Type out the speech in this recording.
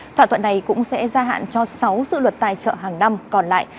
thỏa thuận này cũng sẽ gia hạn cho sáu dự luật tài trợ hàng năm còn lại